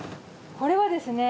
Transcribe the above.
これはですね。